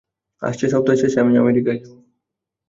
আসছে সপ্তাহের শেষে আমি আমেরিকায় যাব।